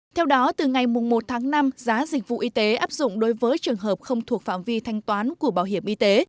theo đó từ ngày một tháng năm giá dịch vụ y tế áp dụng đối với trường hợp không thuộc phạm vi thanh toán của bảo hiểm y tế